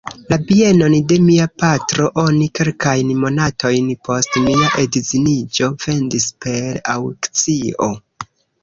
La bienon de mia patro oni kelkajn monatojn post mia edziniĝo vendis per aŭkcio.